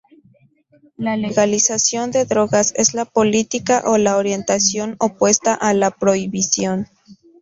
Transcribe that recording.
La legalización de drogas es la política o la orientación opuesta a la prohibición.